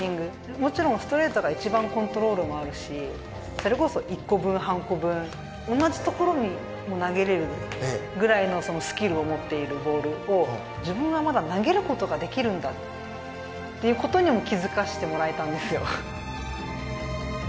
もちろん、ストレートが一番コントロールもあるしそれこそ、１個分、半個分同じ所に投げれるぐらいのスキルを持っているボールを自分は、まだ投げる事ができるんだっていう事にも気付かせてもらえたんですよ。